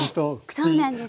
そうなんです。